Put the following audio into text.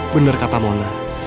bener kata mona